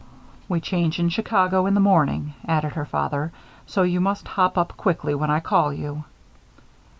"We change in Chicago in the morning," added her father; "so you must hop up quickly when I call you."